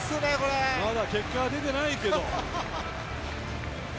まだ結果は出てないけど。